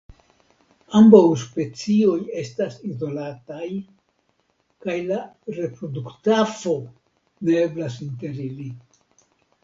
Ambaŭ specioj estas izolataj kaj la reproduktafo ne eblas inter ili.